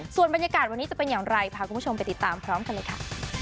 ส่วนบรรยากาศวันนี้จะเป็นอย่างไรพาคุณผู้ชมไปติดตามพร้อมกันเลยค่ะ